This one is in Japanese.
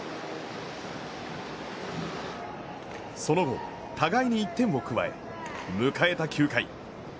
その後、互いに１点を加え、迎えた９回。